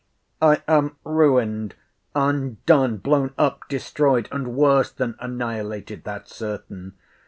I am ruined, undone, blown up, destroyed, and worse than annihilated, that's certain!